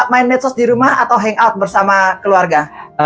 main medsos di rumah atau hangout bersama keluarga